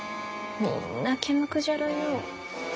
みんな毛むくじゃらよ。